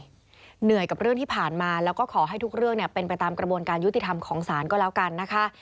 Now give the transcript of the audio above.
เหนื่อยกับเรื่องที่ผ่านมาแล้วก็ขอให้ทุกเรื่องเป็นไปตามกระบวนการยุติธรรมของศาลก็แล้วกันนะคะ